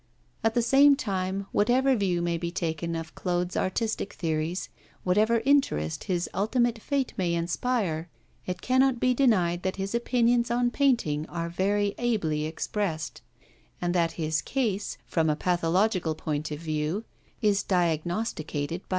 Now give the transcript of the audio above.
At the same time, whatever view may be taken of Claude's artistic theories, whatever interest his ultimate fate may inspire, it cannot be denied that his opinions on painting are very ably expressed, and that his 'case,' from a pathological point of view, is diagnosticated by M.